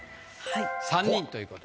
３人ということ。